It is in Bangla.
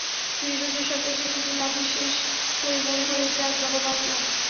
বৃহস্পতিবার সপ্তাহের শেষের দিন অফিস শেষ করে মনে হলো, যাক বাবা, বাঁচলাম।